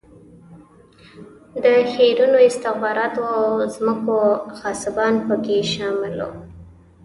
د هیروینو، استخباراتو او ځمکو غاصبان په کې شامل و.